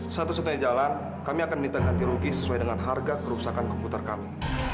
satu satunya jalan kami akan minta ganti rugi sesuai dengan harga kerusakan komputer kami